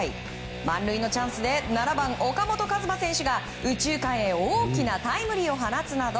満塁のチャンスで７番、岡本和真選手が右中間へ大きなタイムリーを放つなど